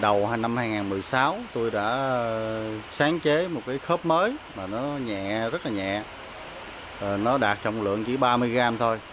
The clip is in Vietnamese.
đầu năm hai nghìn một mươi sáu tôi đã sáng chế một cái khớp mới mà nó nhẹ rất là nhẹ nó đạt trọng lượng chỉ ba mươi gram thôi